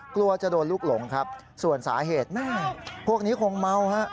กลัวจะโดนลูกหลงครับส่วนสาเหตุแม่พวกนี้คงเมาฮะ